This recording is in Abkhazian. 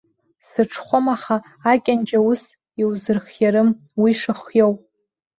Сыҽхәом, аха акьанџьа ус иузырхиарым, уи шыхиоу.